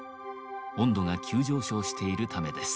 温度が急上昇しているためです。